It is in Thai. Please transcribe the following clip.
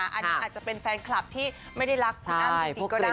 อันนี้อาจจะเป็นแฟนคลับที่ไม่ได้รักคุณอ้ำจริงก็ได้